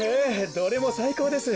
どれもさいこうです。